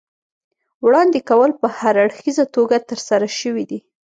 وړاندې کول په هراړخیزه توګه ترسره شوي دي.